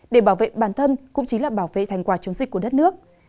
để bảo vệ bản thân cũng chính là bảo vệ thành quả chống dịch của đất nước